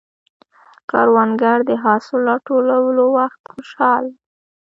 کروندګر د حاصل راټولولو وخت خوشحال دی